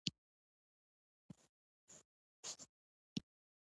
افغانستان د چنګلونه کوربه دی.